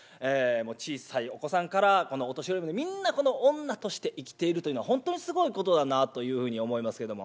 小さいお子さんからお年寄りまでみんな女として生きているというのは本当にすごいことだなというふうに思いますけども。